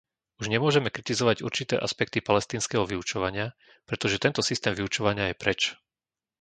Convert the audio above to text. Už nemôžeme kritizovať určité aspekty palestínskeho vyučovania, pretože tento systém vyučovania je preč.